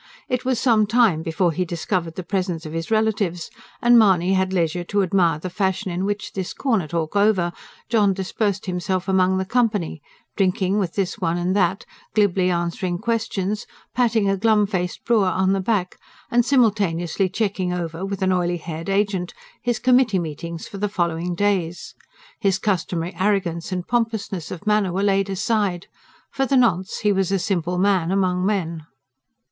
It was some time before he discovered the presence of his relatives; and Mahony had leisure to admire the fashion in which, this corner talk over, John dispersed himself among the company; drinking with this one and that; glibly answering questions; patting a glum faced brewer on the back; and simultaneously checking over, with an oily haired agent, his committee meetings for the following days. His customary arrogance and pompousness of manner were laid aside. For the nonce, he was a simple man among men.